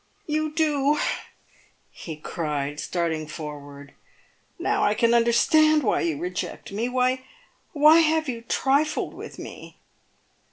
"You do," he cried, starting forward. " Now I can understand why you reject me. Why have you trifled with me."